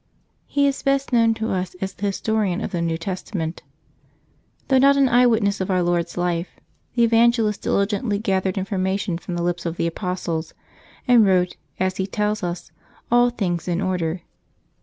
He is best known to us as the historian of the New Testament. Though not an eye witness of Our Lord's life, the Evangelist diligently gathered information from the lips of the apostles, and wrote, as he tells us, all things in order.